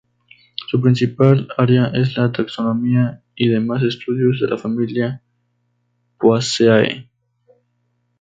Su principal área es la taxonomía y demás estudios de la familia "Poaceae".